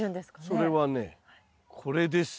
それはねこれです。